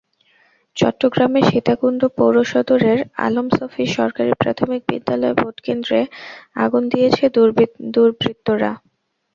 চট্টগ্রামের সীতাকুণ্ড পৌর সদরের আলম সফি সরকারি প্রাথমিক বিদ্যালয় ভোটকেন্দ্রে আগুন দিয়েছে দুর্বৃত্তরা।